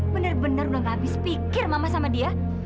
benar benar udah gak habis pikir mama sama dia